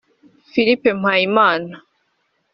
Philippe Mpayimana